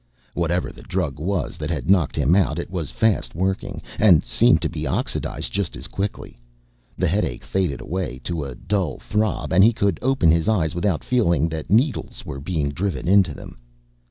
Whatever the drug was that had knocked him out, it was fast working, and seemed to be oxidized just as quickly. The headache faded away to a dull throb and he could open his eyes without feeling that needles were being driven into them.